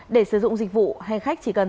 để sử dụng dịch vụ hành khách chỉ cần